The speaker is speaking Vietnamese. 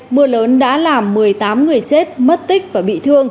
mưa lớn đã làm một mươi tám người chết mất tích và bị thương